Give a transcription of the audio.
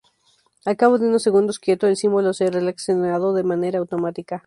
Al cabo de unos segundos quieto, el símbolo será seleccionado de manera automática.